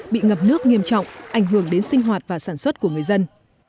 bị ngập nước nghiêm trọng ảnh hưởng đến sinh hoạt và sản xuất của người dân